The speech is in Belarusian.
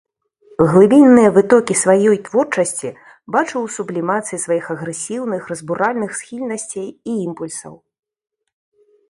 Глыбінныя вытокі сваёй творчасці бачыў у сублімацыі сваіх агрэсіўных, разбуральных схільнасцей і імпульсаў.